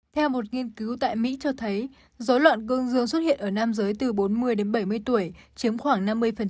theo một nghiên cứu tại mỹ cho thấy dối loạn cương dương xuất hiện ở nam giới từ bốn mươi đến bảy mươi tuổi chiếm khoảng năm mươi